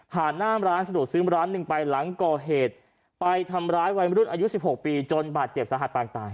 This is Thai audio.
หน้าร้านสะดวกซื้อร้านหนึ่งไปหลังก่อเหตุไปทำร้ายวัยรุ่นอายุ๑๖ปีจนบาดเจ็บสาหัสปางตาย